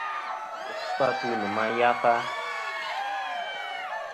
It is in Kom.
Ɨchu-atu nɨ̀ màyafa.